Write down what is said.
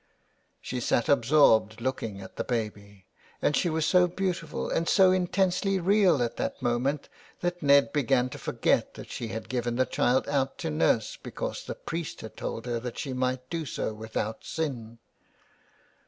341 THE WILD GOOSE. She sat absorbed looking at the baby ; and she was so beautiful and so intensely real at that moment that Ned began to forget that she had given the child out to nurse because the priest had told her that she might do so without sin.